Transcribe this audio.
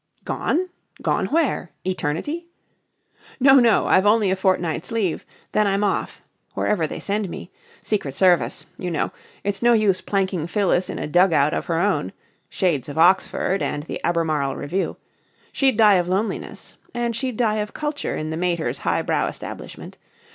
"Gone? Gone where? Eternity?" "No, no! I've only a fortnight's leave. Then I'm off. Wherever they send me. Secret Service. You know. It's no use planking Phyllis in a dug out of her own" shades of Oxford and the Albemarle Review! "she'd die of loneliness. And she'd die of culture in the mater's highbrow establishment.